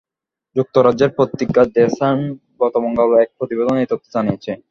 যুক্তরাজ্যের পত্রিকা the Sun গত মঙ্গলবার এক প্রতিবেদনে এ তথ্য জানিয়েছে।